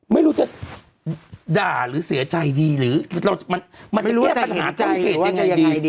ไม่รู้จะด่าหรือเสียใจดีหรือมันจะแก้ปัญหาทางเขตยังไงดี